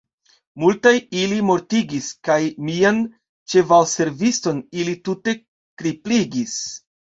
Multajn ili mortigis, kaj mian ĉevalserviston ili tute kripligis.